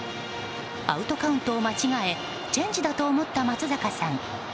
アウトカウントを間違えチェンジだと思った松坂さん。